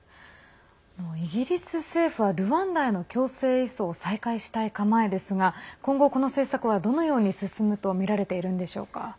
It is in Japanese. イギリス政府はルワンダへの強制移送を再開したい構えですが今後、この政策はどのように進むとみられているんでしょうか。